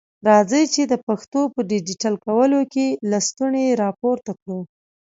راځئ چي د پښتو په ډيجيټل کولو کي لستوڼي را پورته کړو.